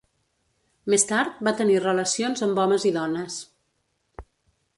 Més tard va tenir relacions amb homes i dones.